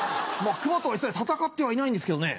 熊とは一切戦ってはいないんですけどね。